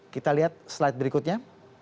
kita lihat slide berikutnya